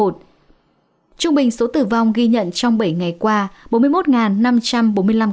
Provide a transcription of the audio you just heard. trung bình số tử vong ghi nhận trong bảy ngày qua bốn mươi một năm trăm bốn mươi năm ca